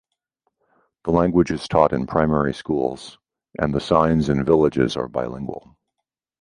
The language is taught in primary schools and the signs in villages are bilingual.